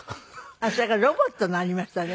それからロボットのありましたね。